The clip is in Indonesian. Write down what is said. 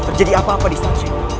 terjadi apa apa di stasiun